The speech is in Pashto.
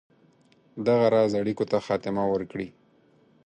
دغه راز اړېکو ته خاتمه ورکړي.